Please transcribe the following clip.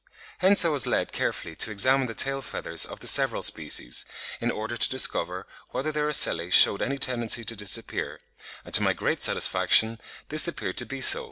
Hence I was led carefully to examine the tail feathers of the several species, in order to discover whether their ocelli shewed any tendency to disappear; and to my great satisfaction, this appeared to be so.